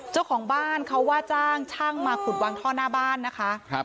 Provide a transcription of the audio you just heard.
เจ้าของบ้านเขาว่าจ้างช่างมาขุดวางท่อหน้าบ้านนะคะ